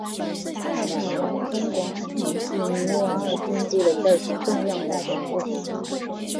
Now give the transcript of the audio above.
帕坦王宫广场是尼瓦尔建筑的重要代表作。